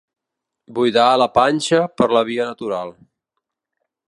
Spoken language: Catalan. Buidar la panxa per la via natural.